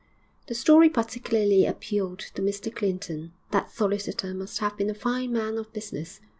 The story particularly appealed to Mr Clinton; that solicitor must have been a fine man of business.